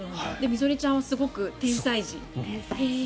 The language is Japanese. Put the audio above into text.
みぞれちゃんはすごく、天才児。